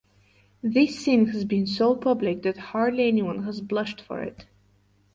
This sin has been so public that hardly anyone has blushed for it.